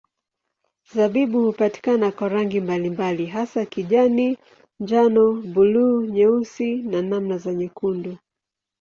Zabibu hupatikana kwa rangi mbalimbali hasa kijani, njano, buluu, nyeusi na namna za nyekundu.